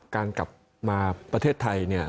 การกลับมาประเทศไทย